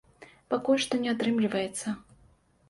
Пакуль што не атрымліваецца.